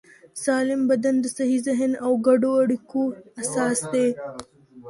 سالم بدن د صحي ذهن او ګډو اړیکو اساس دی.